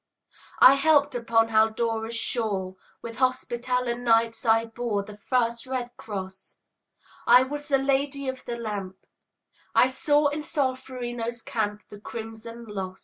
I helped upon Haldora's shore; With Hospitaller Knights I bore The first red cross; I was the Lady of the Lamp; I saw in Solferino's camp The crimson loss.